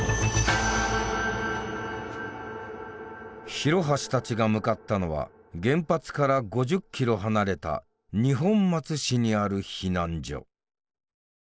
廣橋たちが向かったのは原発から５０キロ離れた二本松市にある避難所。